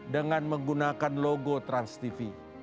dengan menggunakan logo transtv